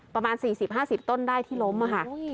ประมาณ๔๐๕๐ต้นได้ที่ล้มค่ะ